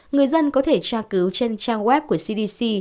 người dân có thể tra cứu trên trang web của cdc